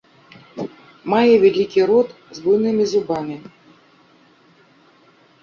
Мае вялікі рот з буйнымі зубамі.